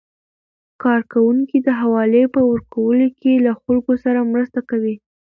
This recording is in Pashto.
کارکوونکي د حوالې په ورکولو کې له خلکو سره مرسته کوي.